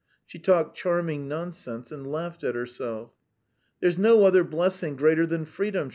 She talked charming nonsense and laughed at herself. "There's no other blessing greater than freedom!"